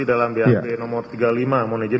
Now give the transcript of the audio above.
dalam bap nomor tiga puluh lima manajer